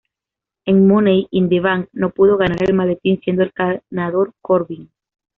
En Money in the Bank no pudo ganar el maletín siendo el ganador Corbin.